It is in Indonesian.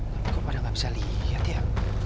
tapi kok pada nggak bisa lihat ya